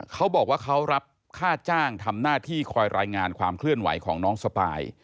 เขาบอกว่าเขารับค่าจ้างทำหน้าที่คอยรายงานความเคลื่อนไหวของน้องสปาย